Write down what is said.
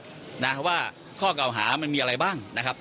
เพราะว่าข้อเก่าหามันมีอะไรบ้างนะครับ